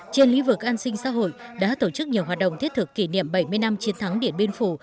trên lý vực an sinh xã hội đã tổ chức nhiều hoạt động thiết thực kỷ niệm bảy mươi năm chiến thắng điện biên phủ